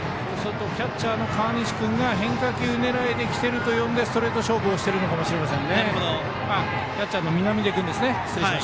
そうするとキャッチャーが変化球狙いで来ていると読んでストレート勝負をしてるかもしれません。